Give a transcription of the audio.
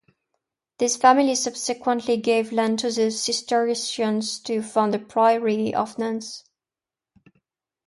This family subsequently gave land to the Cistercians to found a priory of nuns.